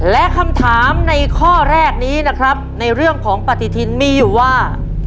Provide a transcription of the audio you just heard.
และคำถามในข้อแรกนี้นะครับในเรื่องของปฏิทินมีอยู่ว่า